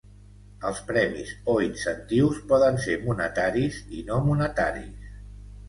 Els premis, o incentius, poden ser monetaris i no monetaris.